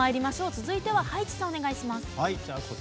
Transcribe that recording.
続いては葉一さんお願いします。